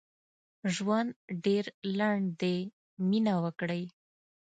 ژوند ډېر لنډ دي مينه وکړئ